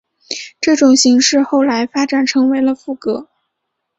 这种形式后来发展成为了赋格。